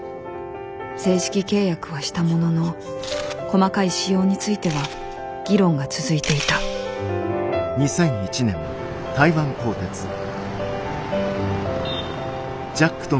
正式契約はしたものの細かい仕様については議論が続いていた何だこれは！？